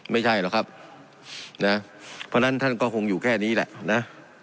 ไม่ใช่หรอกครับนะเพราะฉะนั้นท่านก็คงอยู่แค่นี้แหละนะ